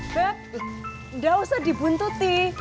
beb nggak usah dibuntuti